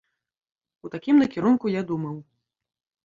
У такім накірунку я думаў.